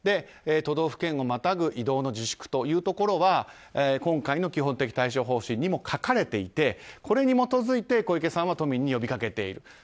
都道府県をまたぐ移動の自粛というところは今回の基本的対処方針にも書かれていてこれに基づいて小池さんは都民に呼びかけている。